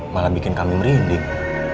malah bikin kami merinding